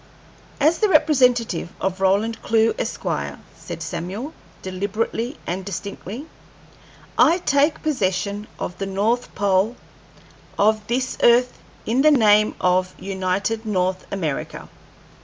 "As the representative of Roland Clewe, Esq.," said Samuel, deliberately and distinctly, "I take possession of the north pole of this earth in the name of United North America."